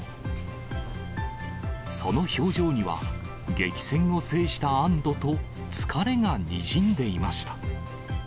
その表情には、激戦を制した安どと、疲れがにじんでいました。